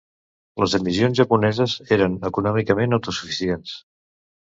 Les missions japoneses eren econòmicament autosuficients.